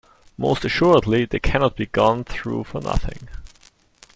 Most assuredly they cannot be gone through for nothing.